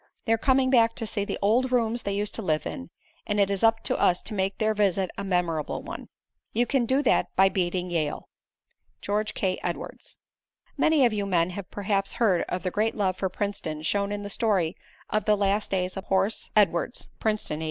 They're coming back to see the old rooms they used to live in, and it is up to us to make their visit a memorable one. You can do that by beating Yale." George K. Edwards Many of you men have perhaps heard of the great love for Princeton shown in the story of the last days of Horse Edwards, Princeton '89.